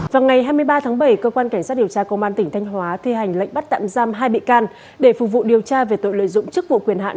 vào ngày hai mươi ba tháng bảy cơ quan cảnh sát điều tra công an tỉnh thanh hóa thi hành lệnh bắt tạm giam hai bị can để phục vụ điều tra về tội lợi dụng chức vụ quyền hạn